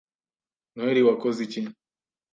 Noheri wakoze iki?